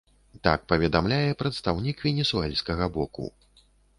Так паведамляе прадстаўнік венесуэльскага боку.